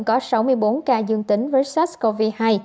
có sáu mươi bốn ca dương tính với sars cov hai